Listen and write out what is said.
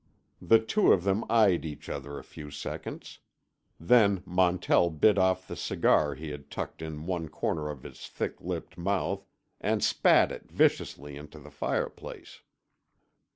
The two of them eyed each other a few seconds. Then Montell bit the end off the cigar he had tucked in one corner of his thick lipped mouth and spat it viciously into the fireplace.